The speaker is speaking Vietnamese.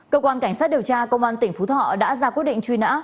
cơ quan cảnh sát điều tra công an tỉnh phú thọ đã ra quyết định truy nã